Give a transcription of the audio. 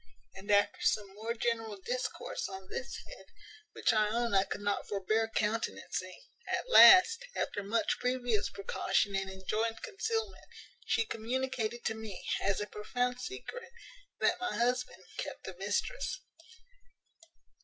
And after some more general discourse on this head, which I own I could not forbear countenancing, at last, after much previous precaution and enjoined concealment, she communicated to me, as a profound secret that my husband kept a mistress.